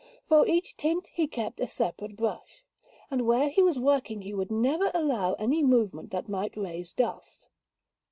For each tint he kept a separate brush; and where he was working he would never allow any movement that might raise dust.